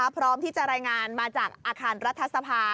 พร้อมที่จะรายงานมาจากอาคารรัฐสภา